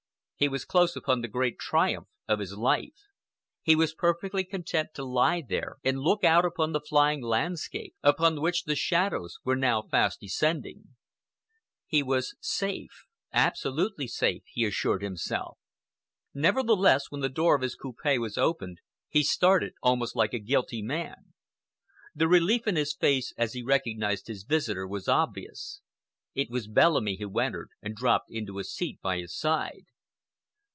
He was close upon the great triumph of his life. He was perfectly content to lie there and look out upon the flying landscape, upon which the shadows were now fast descending. He was safe, absolutely safe, he assured himself. Nevertheless, when the door of his coupe was opened, he started almost like a guilty man. The relief in his face as he recognized his visitor was obvious. It was Bellamy who entered and dropped into a seat by his side.